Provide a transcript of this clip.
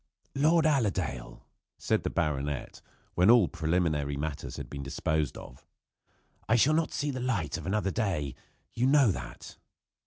"Lord Allerdale," said the baronet, when all preliminary matters had been disposed of. "I shall not see the light of another day. You know that."